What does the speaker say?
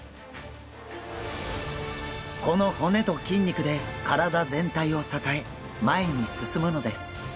この骨と筋肉で体全体を支え前に進むのです。